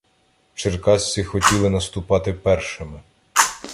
Черкасці хотіли наступати першими.